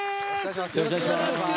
よろしくお願いします。